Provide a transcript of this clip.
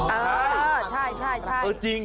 เออใช่เออจริง